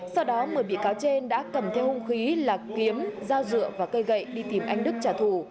sau đó một mươi bị cáo trên đã cầm theo hung khí là kiếm dao dựa và cây gậy đi tìm anh đức trả thù